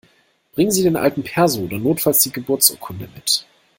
Bringen Sie den alten Perso oder notfalls die Geburtsurkunde mit!